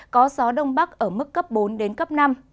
có gió đông bắc ở mức cấp bốn năm